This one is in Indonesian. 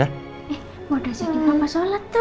eh mau diajakin papa sholat tuh